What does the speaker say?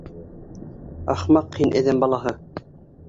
— Ахмаҡ һин, әҙәм балаһы!